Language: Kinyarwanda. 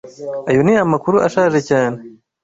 Ayo ni amakuru ashaje cyane.